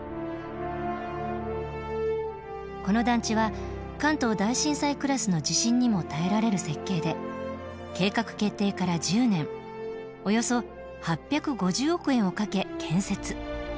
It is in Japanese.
この団地は関東大震災クラスの地震にも耐えられる設計で計画決定から１０年およそ８５０億円をかけ建設。